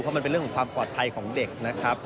เพราะมันเป็นเรื่องของความปลอดภัยของเด็กนะครับ